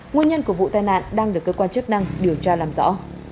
nguyên nhân của vụ tai nạn đang được cơ quan chức năng điều tra làm rõ